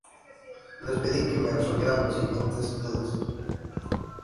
les pedí que me resolvieran las siguientes dudas